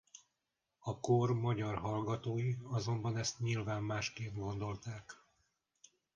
A kor magyar hallgatói azonban ezt nyilván másként gondolták.